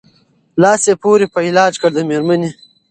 لاس یې پوري په علاج کړ د مېرمني